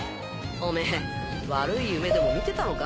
おめぇ悪い夢でも見てたのか？